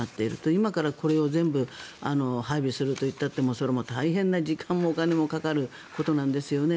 今からこれを全部配備するといったってそれも大変な時間もお金もかかることなんですよね。